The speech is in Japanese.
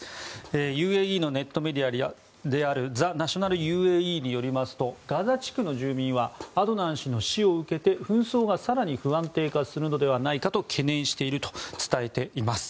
ＵＡＥのネットメディアであるザ・ナショナルＵＡＥによりますとガザ地区の住民はアドナン氏の死を受けて紛争が更に不安定化するのではないかと懸念していると伝えています。